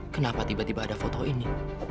kenapa tiba tiba ada foto ini